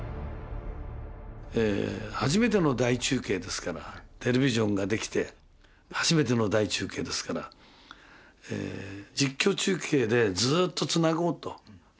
初めての大中継ですからテレビジョンができて初めての大中継ですから実況中継でずっとつなごうと。